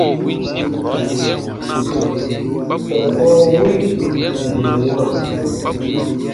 Tɔkɔ wi ù n wãa,